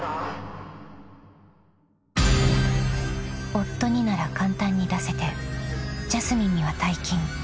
［夫になら簡単に出せてジャスミンには大金］